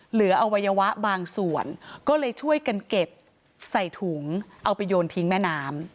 อวัยวะบางส่วนก็เลยช่วยกันเก็บใส่ถุงเอาไปโยนทิ้งแม่น้ำ